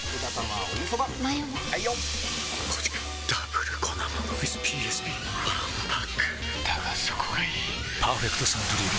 わんぱくだがそこがいい「パーフェクトサントリービール糖質ゼロ」